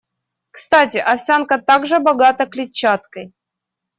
Кстати, овсянка также богата клетчаткой.